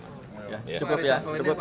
ya cukup ya cukup